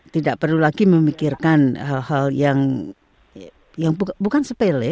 tidak perlu lagi memikirkan hal hal yang bukan sepele